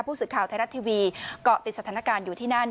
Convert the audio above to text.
สื่อข่าวไทยรัฐทีวีเกาะติดสถานการณ์อยู่ที่นั่น